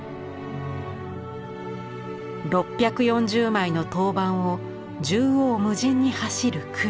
６４０枚の陶板を縦横無尽に走る黒。